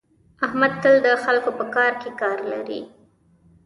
احمد تل د خلکو په کار کې کار لري.